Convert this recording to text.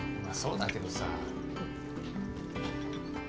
まあそうだけどさ。